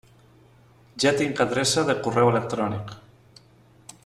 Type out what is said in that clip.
Ja tinc adreça de correu electrònic.